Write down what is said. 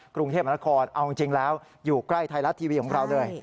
กรุงเทพมนครเอาจริงแล้วอยู่ใกล้ไทยรัฐทีวีของเราเลย